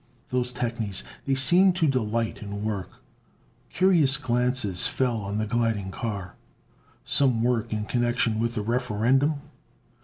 Those technies they seemed to delight in work! Curious glances fell on the gliding car. Some work in connection with the Referendum?